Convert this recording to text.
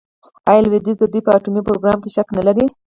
آیا لویدیځ د دوی په اټومي پروګرام شک نلري؟